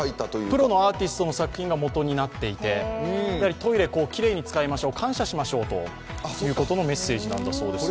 プロのアーティストの作品がもとになっていて、やはりトイレをきれいに使いましょう、感謝しましょうということのメッセージなんだそうです。